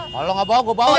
kalau lu gak bawa gue bawa